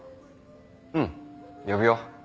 うん呼ぶよ。